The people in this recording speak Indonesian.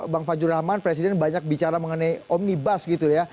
bang fajrul rahman presiden banyak bicara mengenai omnibus gitu ya